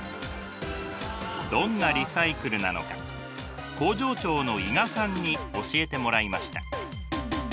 どんなリサイクルなのか工場長の伊賀さんに教えてもらいました。